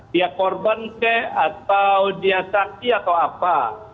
dia korban kek atau dia saksi atau apa